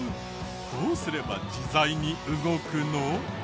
どうすれば自在に動くの？